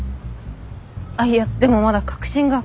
あっいやでもまだ確信が。